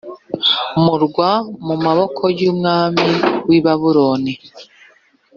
murwa mu maboko y umwami w i babuloni